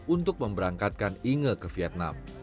untuk memberangkatkan inge ke vietnam